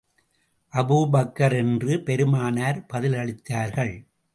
Abu Bakr என்று பெருமானார் பதிலளித்தார்கள்.